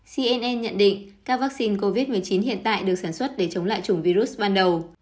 cnn nhận định các vaccine covid một mươi chín hiện tại được sản xuất để chống lại chủng virus ban đầu